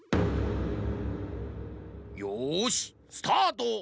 よしスタート！